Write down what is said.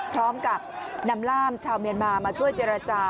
พร้อมกับนำล่ามชาวเมียนมามาช่วยเจรจา